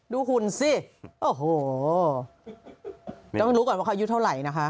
หุ่นสิโอ้โหต้องรู้ก่อนว่าเขาอายุเท่าไหร่นะคะ